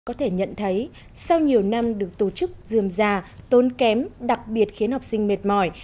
có thể nhận thấy sau nhiều năm được tổ chức dươm già tốn kém đặc biệt khiến học sinh mệt mỏi